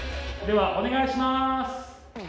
ではお願いします！